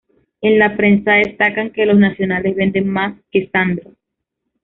En la prensa destacan que los nacionales "venden más que Sandro".